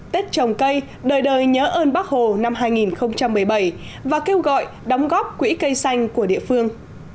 tết trồng cây đời đời nhớ ơn bác hồ năm hai nghìn một mươi bảy và kêu gọi đóng góp quỹ cây xanh của địa phương